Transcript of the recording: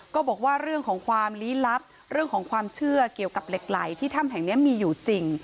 ก็บอกว่าเรื่องของความลี้ลับเรื่องของความเชื่อเกี่ยวกับเหล็กไหลที่ถ้ำแห่งนี้มีอยู่จริง